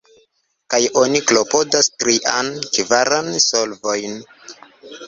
Kaj oni klopodas trian, kvaran solvojn.